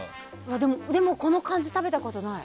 でも、この感じ食べたことない。